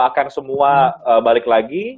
akan semua balik lagi